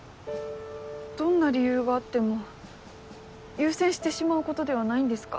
どんな理由があっても優先してしまうことではないんですか？